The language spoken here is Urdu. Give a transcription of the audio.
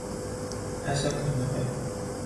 ایسا کرنا ہے۔